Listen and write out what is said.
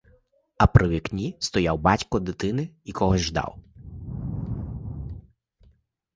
А при вікні стояв батько дитини і когось ждав.